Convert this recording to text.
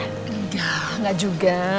enggak enggak juga